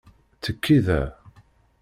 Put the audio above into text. Tekki da!